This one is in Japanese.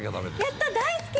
やった大好き！